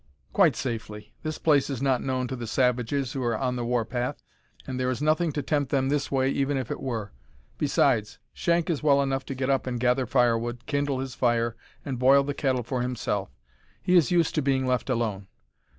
"Quite safely. This place is not known to the savages who are on the warpath, and there is nothing to tempt them this way even if it were. Besides, Shank is well enough to get up and gather firewood, kindle his fire, and boil the kettle for himself. He is used to being left alone.